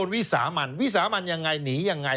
วิสามันวิสามันยังไงหนียังไง